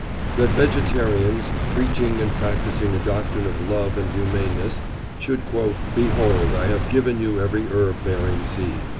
That vegetarians, preaching and practising a doctrine of love and humaneness, should quote, "Behold I have given you every herb bearing seed